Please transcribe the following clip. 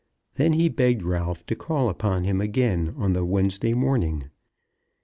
Then he begged Ralph to call upon him again on the Wednesday morning.